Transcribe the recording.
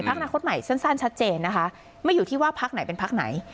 อนาคตใหม่สั้นชัดเจนนะคะไม่อยู่ที่ว่าพักไหนเป็นพักไหน